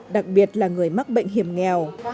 đặc biệt là người mắc bệnh hiểm nghèo